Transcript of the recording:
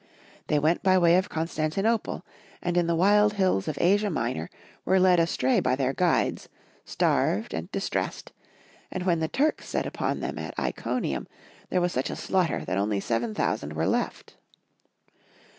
They went by way of Constantinople, and in the wild hills of Asia Minor were led astray by their guides, starved and distressed, and when the Turks set upon them at Iconium, there was such a slaughter that only 7000 were left.